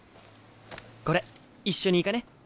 これ一緒に行かねぇ？